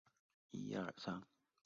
为零海拔地区。